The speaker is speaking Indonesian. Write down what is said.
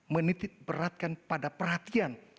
menitip beratkan pada perhatian